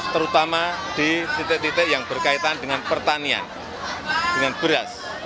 terutama di titik titik yang berkaitan dengan pertanian dengan beras